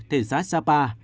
thị xã sapa